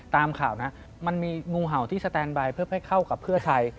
ตามข่าวนะมันมีงูเห่าที่สแตนบายเพื่อให้เข้ากับเพื่อไทย